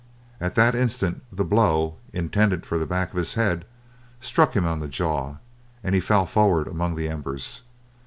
At that instant the blow, intended for the back of the head, struck him on the jaw, and he fell forward among the embers.